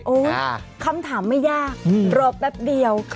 คำถามไม่ยากรอแป๊บเดียว